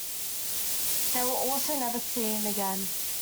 They also were never seen again.